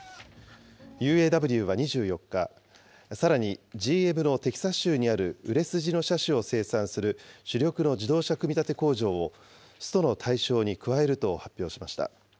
ＵＡＷは２４日、さらにＧＭのテキサス州にある売れ筋の車種を生産する主力の自動車組み立て工場を、ストの対象に加えると発表しました。